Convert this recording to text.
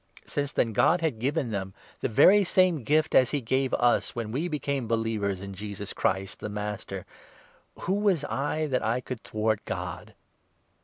Since then, God 17 had given them the very same gift as he gave us when we became believers in Jesus Christ the Master — who was I that I could thwart God